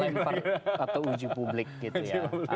lemper atau uji publik gitu ya